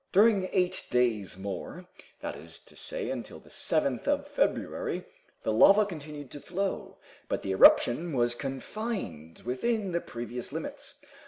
During eight days more, that is to say until the 7th of February, the lava continued to flow, but the eruption was confined within the previous limits.